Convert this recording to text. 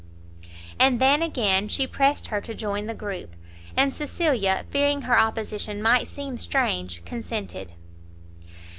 And then again she pressed her to join the group, and Cecilia, fearing her opposition might seem strange, consented.